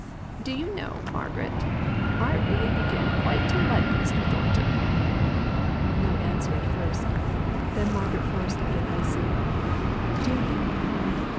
"Do you know, Margaret, I really begin to like Mr. Thornton." No answer at first. Then Margaret forced out an icy "Do you?"